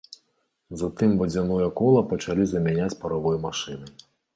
Затым вадзяное кола пачалі замяняць паравой машынай.